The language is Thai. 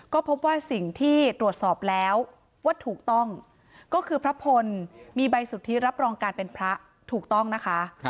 ก็พบว่าสิ่งที่ตรวจสอบแล้วว่าถูกต้องก็คือพระพลมีใบสุทธิรับรองการเป็นพระถูกต้องนะคะ